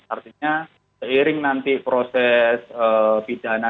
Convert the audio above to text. artinya seiring nanti proses pidana